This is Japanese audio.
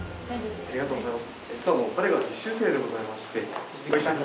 ありがとうございます。